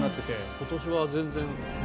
今年は全然。